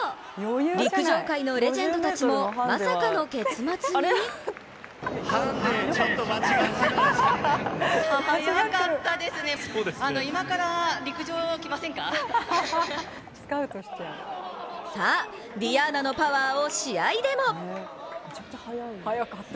陸上界のレジェンドたちもまさかの結末にさあ、ｄｉａｎａのパワーを試合でも。